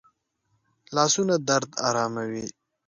لاسونه درد آراموي